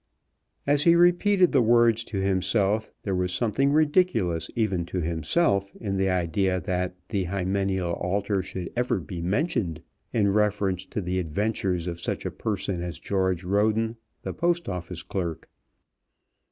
As he repeated the words to himself there was something ridiculous even to himself in the idea that the hymeneal altar should ever be mentioned in reference to the adventures of such a person as George Roden, the Post Office clerk.